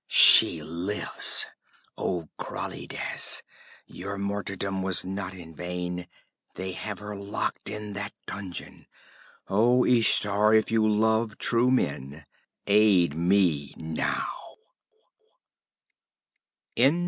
'She lives! Oh, Krallides, your martyrdom was not in vain! They have her locked in that dungeon! Oh, Ishtar, if you love true men, aid me now!'